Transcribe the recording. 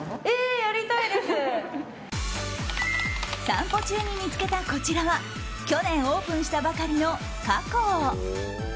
散歩中に見つけたこちらは去年オープンしたばかりの家香。